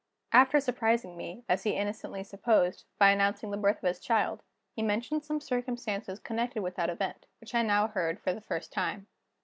After surprising me, as he innocently supposed, by announcing the birth of his child, he mentioned some circumstances connected with that event, which I now heard for the first time.